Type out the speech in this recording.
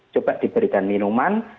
coba diberikan minuman